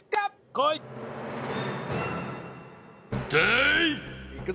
こい！いくぞ！